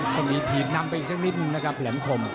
ต้องมีถีบนำไปอีกสักนิดนึงนะครับแหลมคม